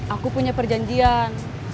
aku punya perjanjian